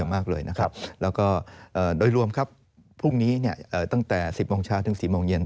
มากเลยนะครับแล้วก็โดยรวมครับพรุ่งนี้ตั้งแต่๑๐โมงเช้าถึง๔โมงเย็น